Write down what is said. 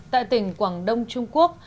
tại tỉnh quảng đông trung quốc